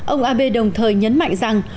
ông abe đồng thời nhấn mạnh rằng